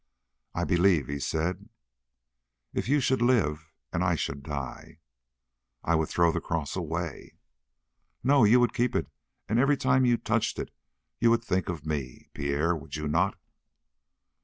"I believe," he said. "If you should live, and I should die " "I would throw the cross away." "No, you would keep it; and every time you touched it you would think of me, Pierre, would you not?"